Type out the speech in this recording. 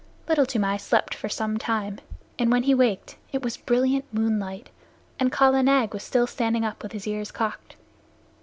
Little Toomai slept for some time, and when he waked it was brilliant moonlight, and Kala Nag was still standing up with his ears cocked.